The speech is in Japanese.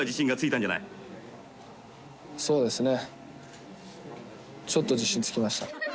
そうですね。